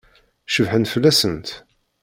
Cebḥen fell-asent?